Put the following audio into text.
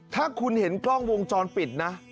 ถ้าคุณเห็นกล้องวงจรปิดนะ